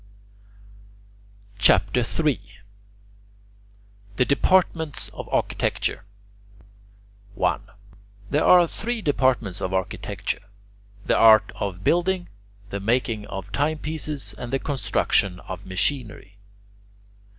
CHAPTER III THE DEPARTMENTS OF ARCHITECTURE 1. There are three departments of architecture: the art of building, the making of timepieces, and the construction of machinery.